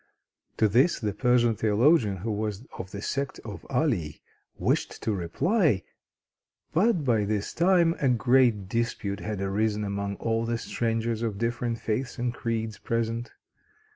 To this the Persian theologian, who was of the sect of Ali, wished to reply; but by this time a great dispute had arisen among all the strangers of different faiths and creeds present.